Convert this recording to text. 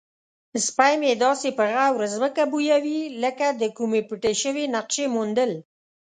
سپی مې داسې په غور ځمکه بویوي لکه د کومې پټې شوې نقشې موندل.